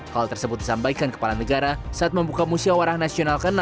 hal tersebut disampaikan kepala negara saat membuka musyawarah nasional ke enam